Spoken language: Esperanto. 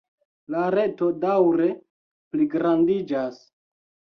La reto daŭre pligrandiĝas.